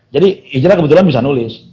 jadi hijrah kebetulan bisa nulis